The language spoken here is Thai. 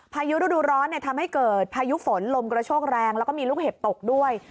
พายุฤดูร้อนทำให้เกิดพายุฝนลมกระโชกแรงแล้วก็มีลูกเห็บตกด้วย